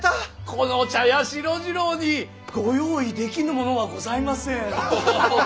この茶屋四郎次郎にご用意できぬものはございません。